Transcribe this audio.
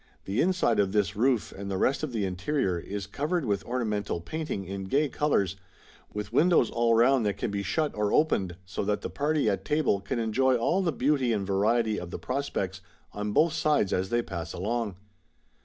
The inside of this roof and the rest of the interior is covered with ornamental painting in gay colours, with windows all round that can be shut or opened, so that the party at table can enjoy all the beauty and variety of the prospects on both sides as they pass along.